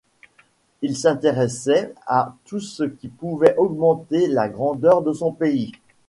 Il s'intéressait à tout ce qui pouvait augmenter la grandeur de son pays.